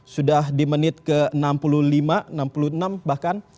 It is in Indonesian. sudah di menit ke enam puluh lima enam puluh enam bahkan